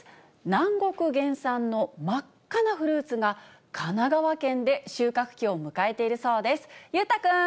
南国原産の真っ赤なフルーツが、神奈川県で収穫期を迎えているそうです。